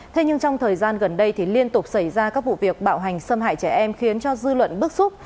thế nhưng trong thời gian gần đây thì liên tục xảy ra các vụ việc bạo hành xâm hại trẻ em khiến cho dư luận bức xúc